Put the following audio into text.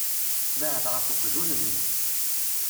Beεεed ɣef uqjun-nni.